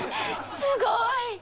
すごい！